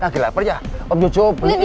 gila pernya om jojo beli ini